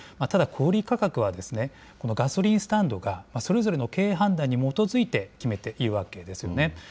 ただ、小売り価格はガソリンスタンドがそれぞれの経営判断に基づいて決めているわけですよね。